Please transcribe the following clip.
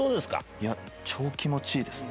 いや、超気持ちいいですね。